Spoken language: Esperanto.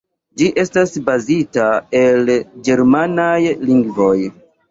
Ĝi estas bazita el ĝermanaj lingvoj.